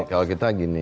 kalau kita gini